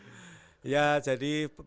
gimana sih pak